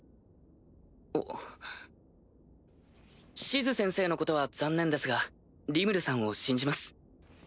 シズ先生のことは残念ですがリムルさんを信じます。